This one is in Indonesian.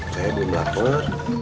saya belum lapar